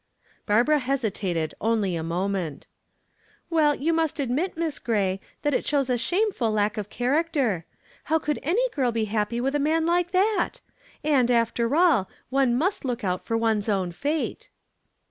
Barbara hesitated only a moment. "Well, you must admit, Miss Gray, that it shows a shameful lack of character. How could any girl be happy with a man like that? And, after all, one must look out for one's own fate."